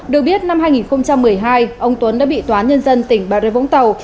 được biết năm hai nghìn một mươi hai ông tuấn đã bị tòa nhân dân tp vũng tàu